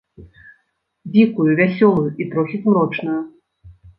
Дзікую, вясёлую і трохі змрочную.